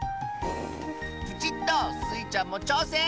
プチッとスイちゃんもちょうせん！